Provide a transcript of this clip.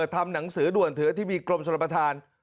ทำหนังสือด่วนเถอะที่มีกรมสรรพทาน